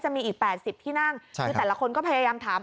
มีอีก๘๐ที่นั่งคือแต่ละคนก็พยายามถาม